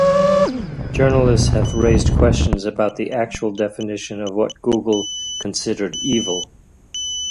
Journalists have raised questions about the actual definition of what Google considered "evil".